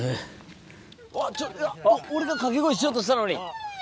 うわ俺が掛け声しようとしたのに。